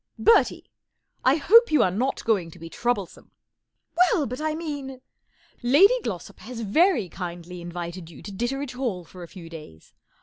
" Bertie ! X hope you are not going to be trou blesome," " Well, but I mean "" Lady GIossop has very kindly invited you to Ditteredge Hall for a few days.